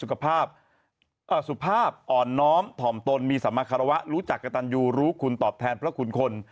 แข็งสุขภาพออร์นน้อมถอมตนมีสมรรคาวะรู้จักกับตัญญูรู้คุณตอบแทนเพราะคุณคน